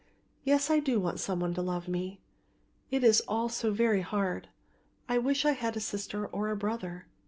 Yes, I do want some one to love me, it is all so very hard; I wish I had a sister or a brother."